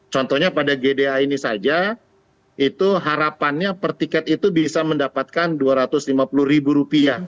contohnya pada gda ini saja itu harapannya per tiket itu bisa mendapatkan rp dua ratus lima puluh